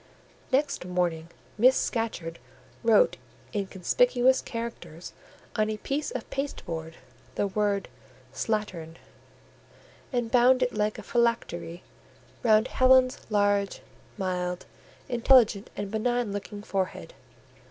Next morning, Miss Scatcherd wrote in conspicuous characters on a piece of pasteboard the word "Slattern," and bound it like a phylactery round Helen's large, mild, intelligent, and benign looking forehead.